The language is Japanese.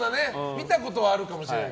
見たことはあるかもしれない。